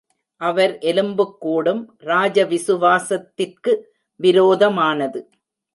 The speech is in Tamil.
அவர் எலும்புக் கூடும் ராஜ விசுவாசத்திற்கு விரோதமானது.